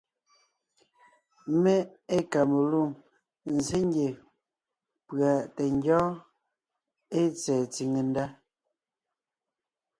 Mé ée kamelûm nzsé ngie pʉ̀a tɛ ngyɔ́ɔn ée tsɛ̀ɛ tsìŋe ndá: